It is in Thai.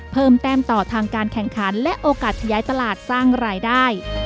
แต้มต่อทางการแข่งขันและโอกาสขยายตลาดสร้างรายได้